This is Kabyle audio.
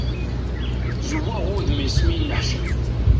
Zewwaɣ wudem-is mi yenneḥcam.